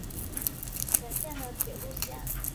本线的铁路线。